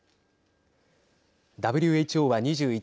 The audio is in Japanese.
ＷＨＯは２１日